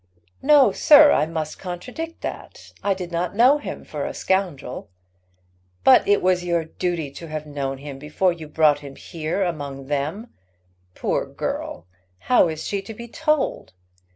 "No, sir; I must contradict that. I did not know him for a scoundrel." "But it was your duty to have known him before you brought him here among them. Poor girl! how is she to be told?"